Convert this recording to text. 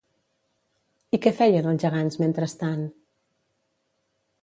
I què feien els gegants mentrestant?